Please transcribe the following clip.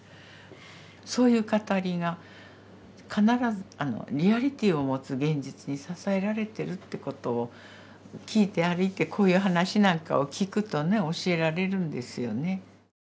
そういう語りが必ずリアリティーを持つ現実に支えられてるってことをきいて歩いてこういう話なんかをきくとね教えられるんですよね。